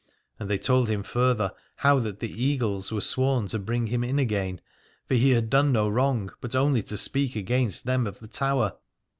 And they told him further how that the Eagles were sworn to bring him in again : for he had done no wrong, but only to speak against them of the Tower.